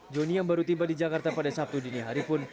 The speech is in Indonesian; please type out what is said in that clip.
joni yang baru tiba di jakarta pada sabtu dini hari pun